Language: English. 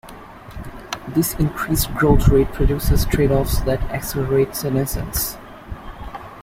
This increased growth rate produces trade-offs that accelerate senescence.